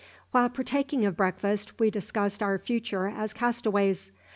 "While partaking of breakfast we discussed our future as castaways.